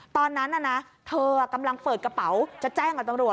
ตอนนั้นน่ะนะเธอกำลังเปิดกระเป๋าจะแจ้งกับตำรวจ